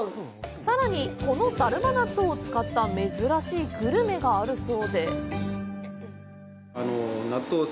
さらに、このだるま納豆を使った珍しいグルメがあるそうで。